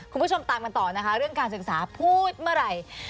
คุณผู้ชมตามกันต่อนะคะเรื่องการศึกษาพูดเมื่อไหร่